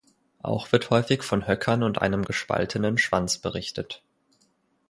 Auch wird häufig von Höckern und einem gespaltenen Schwanz berichtet.